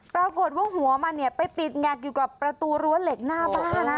ปรากฏว่าหัวมันเนี่ยไปติดแงกอยู่กับประตูรั้วเหล็กหน้าบ้าน